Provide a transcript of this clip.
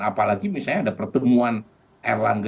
apalagi misalnya ada pertemuan